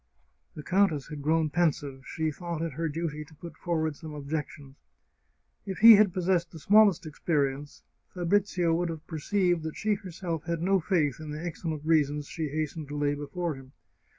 The countess had grown pensive; she thought it her duty to put forward some objections. If he had possessed the smallest experience Fabrizio would have perceived that she herself had no faith in the excellent reasons she hastened to lay before him.